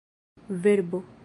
verbo